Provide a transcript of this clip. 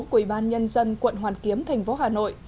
của ủy ban nhân dân quận hoàn kiếm thành phố hà nội